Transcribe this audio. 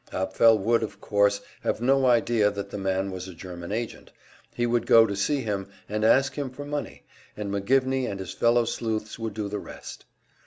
Apfel would, of course, have no idea that the man was a German agent; he would go to see him, and ask him for money, and McGivney and his fellow sleuths would do the rest.